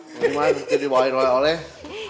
memang itu dibawain oleh oleh